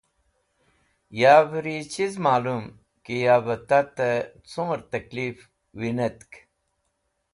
Yavri chiz malum ki yavẽ tatẽ cumẽr tẽklif winẽtk.